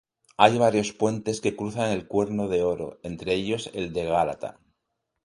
Hay varios puentes que cruzan el Cuerno de Oro, entre ellos el de Gálata.